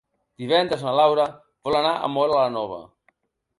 Divendres na Laura vol anar a Móra la Nova.